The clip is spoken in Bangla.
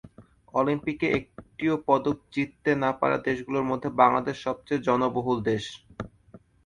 অলিম্পিকে একটিও পদক জিততে না পারা দেশগুলোর মধ্যে বাংলাদেশ সবচেয়ে জনবহুল দেশ।